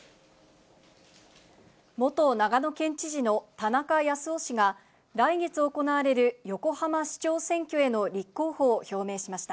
元長野県知事の田中康夫氏が、来月行われる横浜市長選挙への立候補を表明しました。